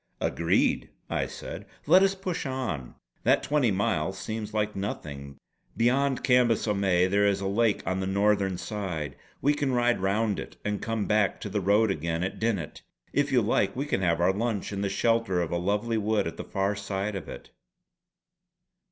"Agreed!" I said "let us push on! That twenty miles seems like nothing. Beyond Cambus o May there is a lake on the northern side; we can ride round it and come back to the road again at Dinnet. If you like we can have our lunch in the shelter of a lovely wood at the far side of it."